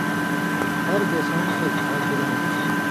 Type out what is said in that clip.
ہر دیسؤں اس دھا چُلائ۔